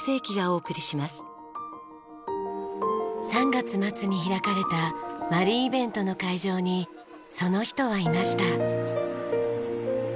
３月末に開かれたマリンイベントの会場にその人はいました。